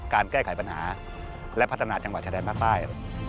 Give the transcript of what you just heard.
การแก้ไขปัญหาและพัฒนาจังหวัดชายแดนภาคใต้